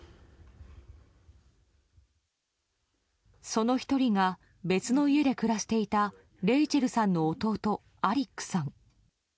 その１人が別の家で暮らしていたレイチェルさんの弟アリックさん。